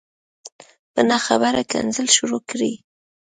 په نه خبره کنځل شروع کړي